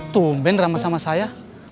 tumben rama sama saya